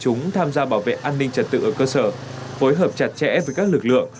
chúng tham gia bảo vệ an ninh trật tự ở cơ sở phối hợp chặt chẽ với các lực lượng